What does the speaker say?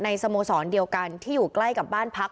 สโมสรเดียวกันที่อยู่ใกล้กับบ้านพัก